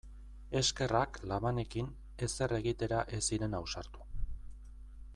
Eskerrak labanekin ezer egitera ez ziren ausartu.